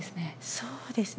そうですね。